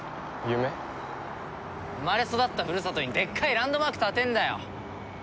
生まれ育ったふるさとにでっかいランドマーク建てるんだよ！